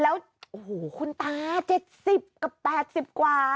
แล้วคุณตา๗๐กับ๘๐กว่า